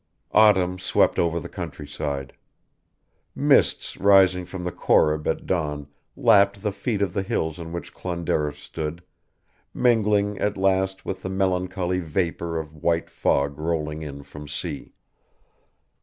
Autumn swept over the countryside. Mists rising from the Corrib at dawn lapped the feet of the hills on which Clonderriff stood, mingling, at last, with the melancholy vapour of white fog rolling in from sea.